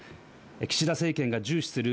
岸田政権が重視する